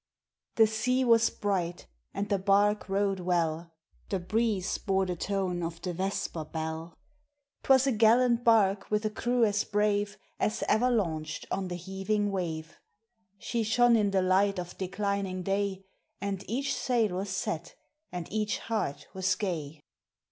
The sea was bright, and the bark rode well; The breeze bore the tone, of the vesper bell ; 'T was a gallant bark with a crew as brave As ever launched on the heaving wave. She shone in the light of declining day. And each sail was set, and each heart was gay.